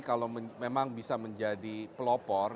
kalau memang bisa menjadi pelopor